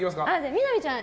みな実ちゃん